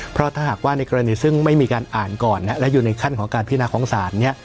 เพราะถ้าหากว่าในกรณีซึ่งไม่มีการอ่านก่อนและอยู่ในขั้นของการพินาของศาลเนี่ย